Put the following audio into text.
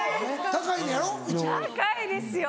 高いですよ！